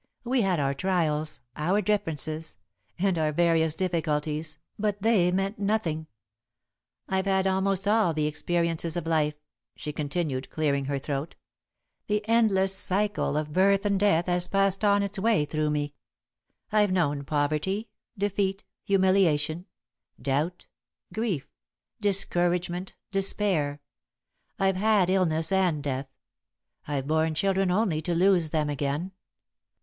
We had our trials, our differences, and our various difficulties, but they meant nothing. [Sidenote: It May Come] "I've had almost all the experiences of life," she continued, clearing her throat. "The endless cycle of birth and death has passed on its way through me. I've known poverty, defeat, humiliation, doubt, grief, discouragement, despair. I've had illness and death; I've borne children only to lose them again.